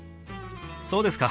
そうですか？